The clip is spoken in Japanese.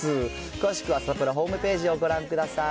詳しくはサタプラのホームページをご覧ください。